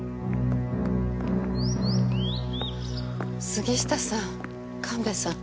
杉下さん神戸さん。